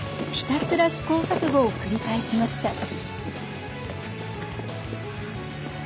ひたすら試行錯誤を繰り返しました。